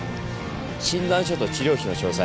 診断書と治療費の詳細